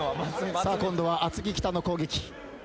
さあ今度は厚木北の攻撃。